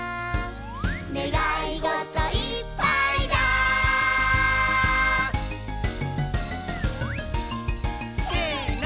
「ねがいごといっぱいだ」せの！